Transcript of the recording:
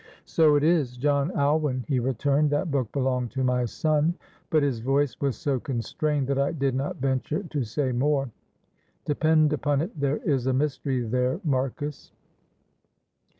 "'So it is, John Alwyn,' he returned; 'that book belonged to my son,' but his voice was so constrained that I did not venture to say more. Depend upon it there is a mystery there, Marcus."